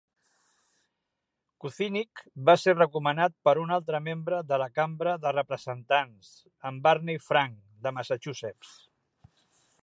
Kucinich va ser recomanat per un altra membre de la Cambra de Representants, en Barney Frank de Massachusetts.